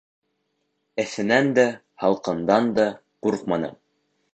Эҫенән дә, һалҡындан да ҡурҡманы.